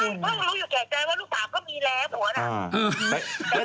รู้อยู่แก่ใจว่าลูกสาวก็มีแล้วผัวน่ะ